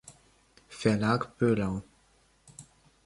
Verlag Böhlau.